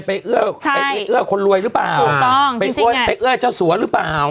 ไปเอื้อคนรวยหรือเปล่าไปเอื้อเจ้าสัวรึเปล่า